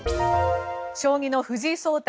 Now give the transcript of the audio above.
将棋の藤井聡太